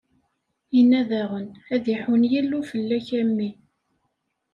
Inna daɣen: Ad iḥunn Yillu fell-ak, a mmi!